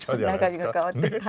中身が変わって。